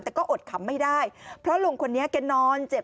แต่ก็อดขำไม่ได้เพราะลุงคนนี้แกนอนเจ็บ